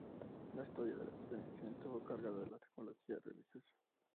La estadía de la expedición estuvo cargada de simbología religiosa.